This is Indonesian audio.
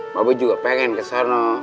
mbak be juga pengen kesana